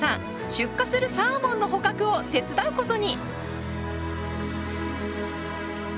出荷するサーモンの捕獲を手伝うことに。